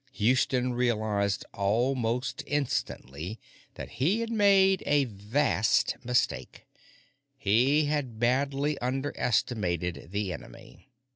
Houston realized almost instantaneously that he had made a vast mistake. He had badly underestimated the enemy.